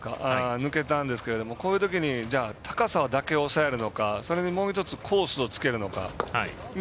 抜けたんですがこういうときに高さだけを抑えるのかそれかもう一つコースをつけるのか。